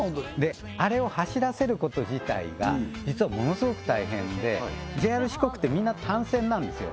あれを走らせること自体が実はものすごく大変でＪＲ四国ってみんな単線なんですよ